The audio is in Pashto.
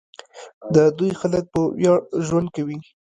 د دوی خلک په ویاړ ژوند کوي.